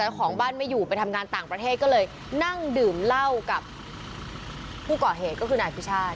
ของบ้านไม่อยู่ไปทำงานต่างประเทศก็เลยนั่งดื่มเหล้ากับผู้ก่อเหตุก็คือนายพิชาติ